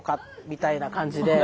みたいな感じで。